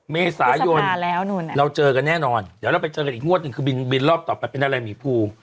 เมษายนเราเจอกันแน่นอนเดี๋ยวเราไปเจอกันอีกงวดหนึ่งคือบินรอบต่อไปเป็นอะไรหมีภู